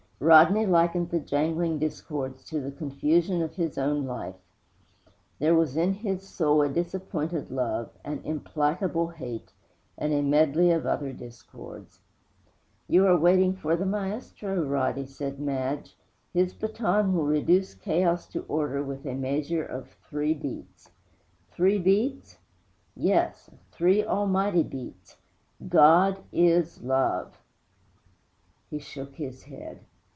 Rodney likened the jangling discords to the confusion of his own life. There was in his soul a disappointed love, an implacable hate, and a medley of other discords. 'You are waiting for the Maestro, Roddie!' said Madge. 'His baton will reduce chaos to order with a measure of three beats.' 'Three beats?' 'Yes; three almighty beats: GOD IS LOVE!' He shook his head.